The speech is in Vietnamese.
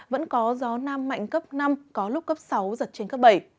vẫn có gió nam mạnh cấp năm có lúc cấp sáu giật trên cấp bảy